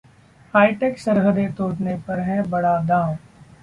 hi tech सरहदें तोडऩे पर है बड़ा दांव